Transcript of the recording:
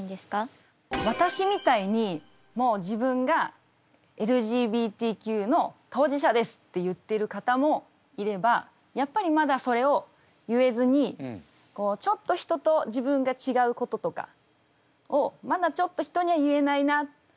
私みたいにもう自分がＬＧＢＴＱの当事者ですって言ってる方もいればやっぱりまだそれを言えずにちょっと人と自分が違うこととかをまだちょっと人には言えないな